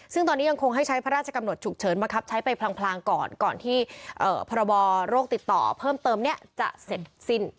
ซึ่งตอนนี้ยังคงให้ใช้พระราชกำหนดฉุกเฉินบังคับใช้ไปพลางก่อนก่อนที่พรบโรคติดต่อเพิ่มเติมเนี่ยจะเสร็จสิ้น